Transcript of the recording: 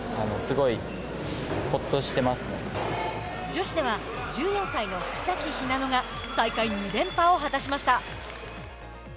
女子では１４歳の草木ひなのが大会２連覇を果たしました。